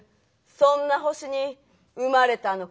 そんな星に生まれたのかな。